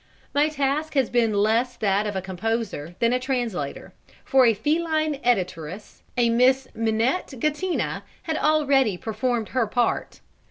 My task has been less that of a composer than a translator, for a feline editoress, a Miss Minette Gattina, had already performed her part.